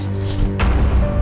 kamu jangan segivau